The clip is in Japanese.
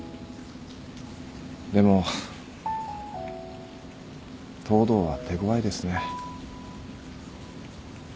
でも藤堂は手ごわいですね。